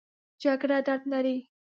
جګړه درد لري